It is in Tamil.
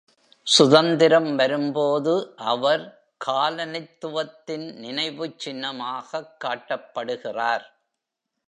சுதந்திரம் வரும்போது அவர் காலனித்துவத்தின் நினைவுச்சின்னமாகக் காட்டப்படுகிறார்.